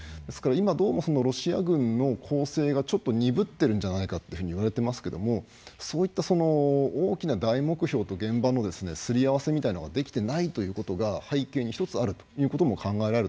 ですから今どうもロシア軍の攻勢が鈍ってるんじゃないかっていうふうにいわれてますけどもそういったその大きな大目標と現場のすり合わせみたいなのができていないということが背景に１つあるということも考えられると思うんですね。